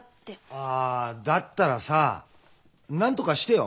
あだったらさなんとかしてよ